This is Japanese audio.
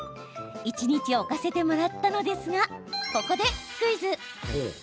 一日、置かせてもらったのですがここでクイズ。